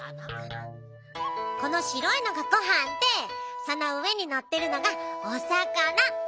この白いのがごはんでその上にのってるのがおさかな。